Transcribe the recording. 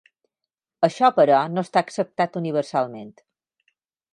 Això, però, no està acceptat universalment.